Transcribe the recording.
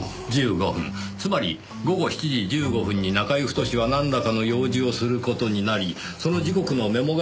つまり午後７時１５分に中居太は何らかの用事をする事になりその時刻のメモ